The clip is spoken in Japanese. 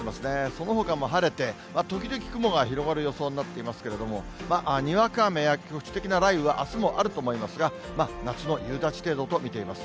そのほかも晴れて、時々雲が広がる予想になってますけれども、にわか雨や局地的な雷雨はあすもあると思いますが、夏の夕立程度と見ています。